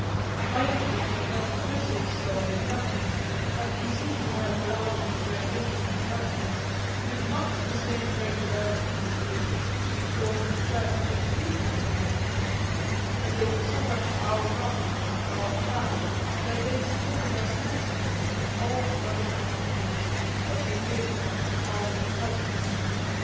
My impression of them bristles so with memories that we seem to have rallied to their different productions with much the same regularity with which we formed fresh educational connections; and they were so much our property and our pride that they supported us handsomely through all fluttered entertainment of the occasional Albany cousins.